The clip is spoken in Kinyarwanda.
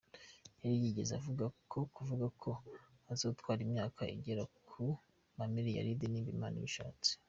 Yari yigeze kuvuga ko azotwara n'imyaka igera ku mamiriyaridi nimba 'Imana ibishatse'.